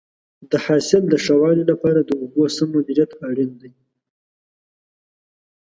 د حاصل د ښه والي لپاره د اوبو سم مدیریت اړین دی.